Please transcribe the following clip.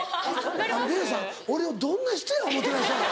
あのレオさん俺をどんな人や思うてらっしゃる？